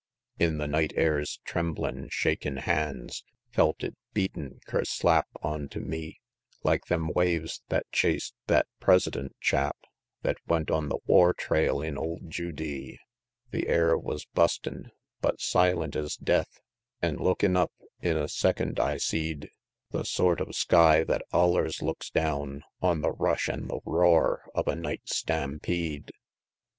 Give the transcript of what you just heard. In the night air's tremblin', shakin' hands Felt it beatin' kerslap onto me, Like them waves thet chas'd thet President chap Thet went on the war trail in old Judee. The air wus bustin' but silent es death; An' lookin' up, in a second I seed The sort of sky thet allers looks down On the rush an' the roar of a night stampede. XXVI.